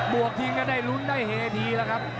วกทิ้งก็ได้ลุ้นได้เฮดีแล้วครับ